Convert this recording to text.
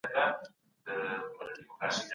موږ باید په خپله ټولنه کې واقعیتونه وپېژنو.